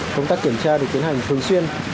công tác kiểm tra được tiến hành thường xuyên